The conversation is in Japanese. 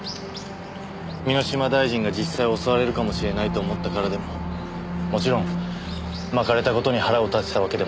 箕島大臣が実際襲われるかもしれないと思ったからでももちろんまかれた事に腹を立てたわけでもありません。